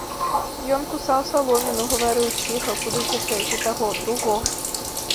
Ён кусаў саломіну, гаварыў ціха, куды цішэй за таго, другога.